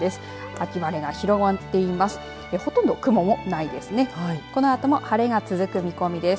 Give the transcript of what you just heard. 秋晴れが広がっています。